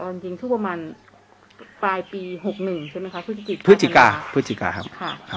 เราจริงทั่วประมาณปลายปีหกหนึ่งใช่ไหมคะพฤติกิจพฤติกาพฤติกาครับ